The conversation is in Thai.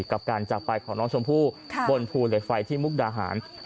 กับการจากไปของน้องชมพู่บนภูเหล็กไฟที่มุกดาหาร